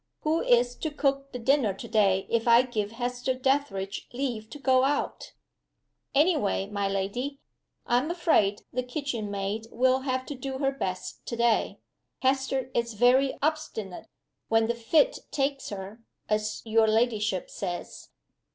Who is to cook the dinner to day if I give Hester Dethridge leave to go out?" "Any way, my lady, I am afraid the kitchen maid will have to do her best to day. Hester is very obstinate, when the fit takes her as your ladyship says."